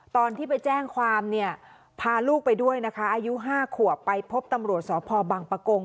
ตอนที่ไปแจ้งความเนี่ยพาลูกไปด้วยนะคะอายุ๕ขวบไปพบตำรวจสพบังปะกง